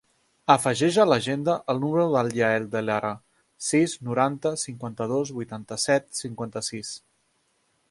Afegeix a l'agenda el número del Yael De Lara: sis, noranta, cinquanta-dos, vuitanta-set, cinquanta-sis.